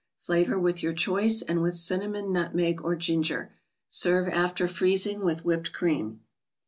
Flavor with your choice, and with cin¬ namon, nutmeg or ginger. Serve after freezing, with Whipped Cream.